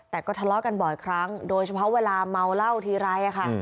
แต่ก็ทะเลาะกันบ่อยครั้งโดยเฉพาะเวลาเมาเหล้าทีไรค่ะ